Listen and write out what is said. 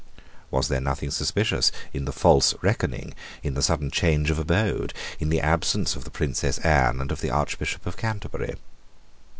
Was there nothing suspicious in the false reckoning, in the sudden change of abode, in the absence of the Princess Anne and of the Archbishop of Canterbury?